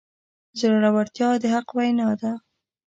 زړورتیا د حق وینا ده.